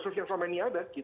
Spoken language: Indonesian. saya pikir sampai ini ada